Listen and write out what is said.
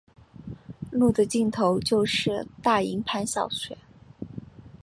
路的尽头就是大营盘小学。